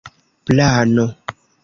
plano